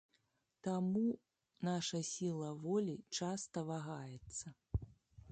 Таму наша сіла волі часта вагаецца.